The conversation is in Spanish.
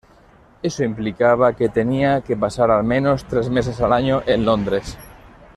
Eso implicaba que tenía que pasar al menos tres meses al año en Londres.